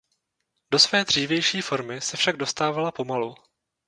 Do své dřívější formy se však dostávala pomalu.